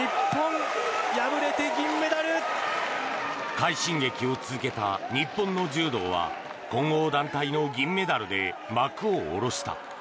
快進撃を続けた日本の柔道は混合団体の銀メダルで幕を下ろした。